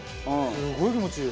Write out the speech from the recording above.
すごい気持ちいい。